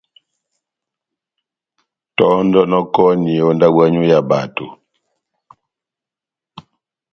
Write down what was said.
Tɔ́ndɔnɔkɔni ó ndábo yanywu ya bato.